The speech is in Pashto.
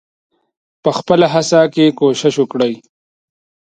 په خپله هڅه کې کوښښ وکړئ.